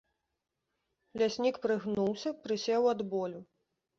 Ляснік прыгнуўся, прысеў ад болю.